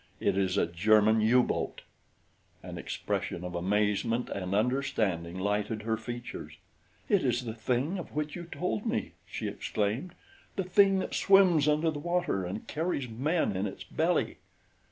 "It is a German U boat!" An expression of amazement and understanding lighted her features. "It is the thing of which you told me," she exclaimed, " the thing that swims under the water and carries men in its belly!"